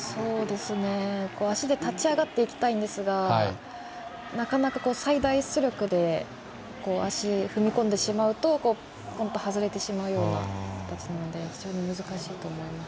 足で立ち上がっていきたいんですが、なかなか最大出力で足、踏み込んでしまうとポンッと外れてしまうような形なので非常に難しいと思います。